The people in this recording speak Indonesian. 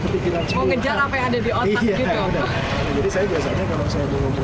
tapi kalau saya ditanya malah kadang kadang lebih cepat